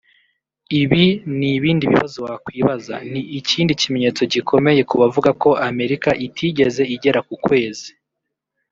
Ibi n’ibindi bibazo wakwibaza ni ikindi kimenyetso gikomeye kubavuga ko Amerika itegeze igera kukwezi